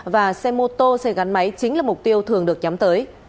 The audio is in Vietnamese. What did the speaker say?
và xe mô tô xe gắn máy chính là mục tiêu thường được nhắm tới